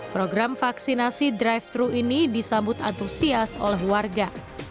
program vaksinasi drive thru ini disambut antusias oleh warga